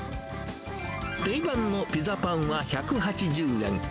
定番のピザパンは１８０円。